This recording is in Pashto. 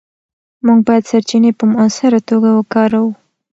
موږ باید سرچینې په مؤثره توګه وکاروو.